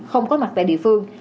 không có mặt tại địa phương